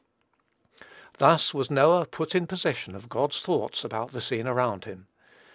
Thus was Noah put in possession of God's thoughts about the scene around him.